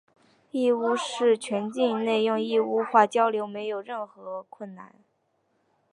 义乌市全境内用义乌话交流没有任何困难。